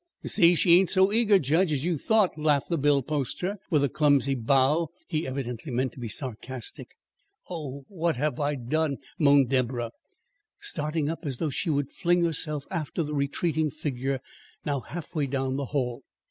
"You see she ain't so eager, jedge, as you thought," laughed the bill poster, with a clumsy bow he evidently meant to be sarcastic. "Oh, what have I done!" moaned Deborah, starting up as though she would fling herself after the retreating figure, now half way down the hall.